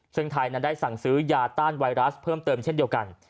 ซึ่งไทยนั้นได้สั่งซื้อยาต้านไวรัสเพิ่มเติมเช่นเดียวกัน